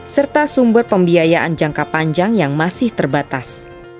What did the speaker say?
serta sumber pembiayaan jangka panjang yang masih terbatas